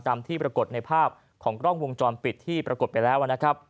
ที่ปรากฏในภาพของกล้องวงจรปิดที่ปรากฏไปแล้วนะครับ